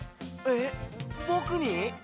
えっぼくに？